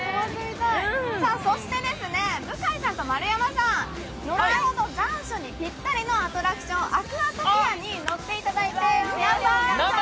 そして向井さんと丸山さん、残暑にぴったりのアトラクション、アクアトピアに乗っていただいて。